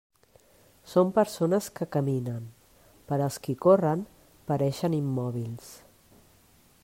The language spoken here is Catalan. Són persones que caminen; per als qui corren, pareixen immòbils.